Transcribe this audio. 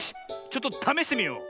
ちょっとためしてみよう。